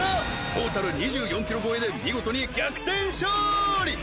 トータル２４キロ超えで見事に逆転勝利！